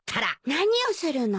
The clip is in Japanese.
何をするの？